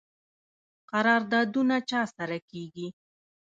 قراردادونه چا سره کیږي؟